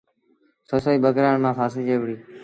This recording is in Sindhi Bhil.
سسئيٚ ٻڪرآڙ مآݩ ڦآسجي وُهڙي۔